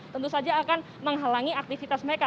tentu saja akan menghalangi aktivitas mereka